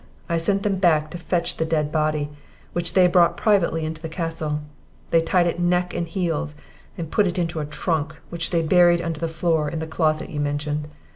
I sent them back to fetch the dead body, which they brought privately into the castle: they tied it neck and heels, and put it into a trunk, which they buried under the floor in the closet you mentioned.